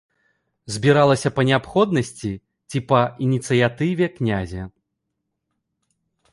Збіралася па неабходнасці ці па ініцыятыве князя.